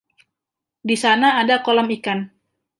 Di sana ada kolom iklan.